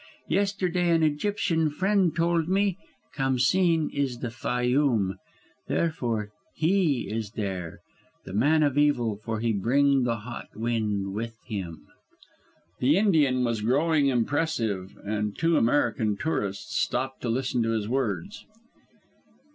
Yesterday an Egyptian friend told me Khamsîn is in the Fayûm. Therefore he is there the man of evil for he bring the hot wind with him." The Indian was growing impressive, and two American tourists stopped to listen to his words.